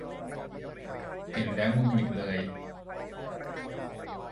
เห็นแล้วหงุดหงิดเลย